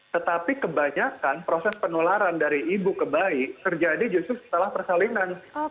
tetapi kebanyakan proses penularan dari ibu ke bayi terjadi justru setelah persalinan